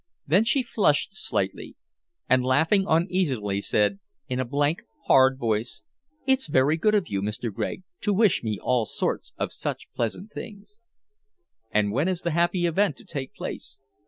Then she flushed slightly, and laughing uneasily said, in a blank, hard voice "It's very good of you, Mr. Gregg, to wish me all sorts of such pleasant things." "And when is the happy event to take place?"